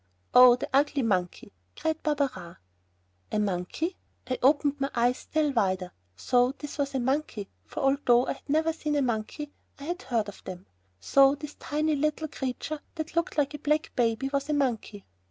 "Oh, the ugly monkey!" cried Barberin. A monkey! I opened my eyes still wider. So this was a monkey, for although I had never seen a monkey, I had heard of them. So this little tiny creature that looked like a black baby was a monkey!